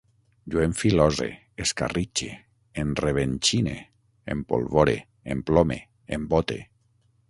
Jo enfilose, escarritxe, enrevenxine, empolvore, emplome, embote